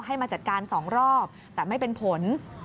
มาจัดการ๒รอบแต่ไม่เป็นผล